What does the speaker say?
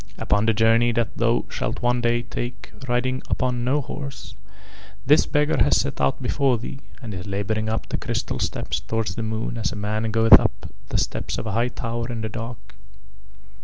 "Upon the journey that thou shalt one day take riding upon no horse, this beggar has set out before thee and is labouring up the crystal steps towards the moon as a man goeth up the steps of a high tower in the dark.